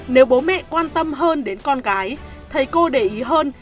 nếu bố mẹ quan tâm hơn đến con cái thầy cô để ý hơn